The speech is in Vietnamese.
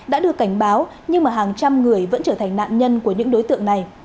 đã được cảnh báo nhưng mà hàng trăm người vẫn trở thành nạn nhân của những đối tượng này